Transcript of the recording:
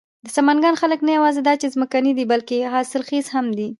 د سمنگان خلک نه یواځې دا چې ځمکني دي، بلکې حاصل خيز هم دي.